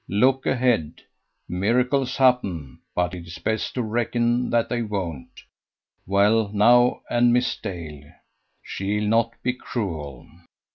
Look ahead. Miracles happen, but it's best to reckon that they won't. Well, now, and Miss Dale. She'll not be cruel."